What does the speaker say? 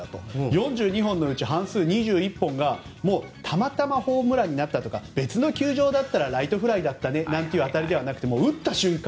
４２本のうちの半数２１本がもう、たまたまホームランになったとか別の球場だったらライトフライだという当たりではなく打った瞬間